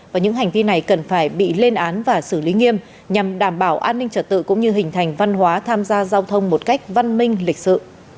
và những hành vi này cần phải bị lên án và xử lý nghiêm nhằm đảm bảo an ninh trật tự cũng như hình thành văn hóa tham gia giao thông một cách văn minh lịch sự